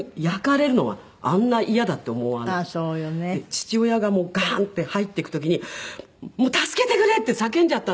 父親がもうガンッて入っていく時に「助けてくれ！」って叫んじゃったんですよ。